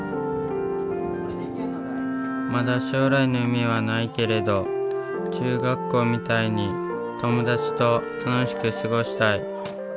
まだ将来の夢はないけれど中学校みたいに友達と楽しく過ごしたい。